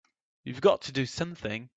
You've got to do something!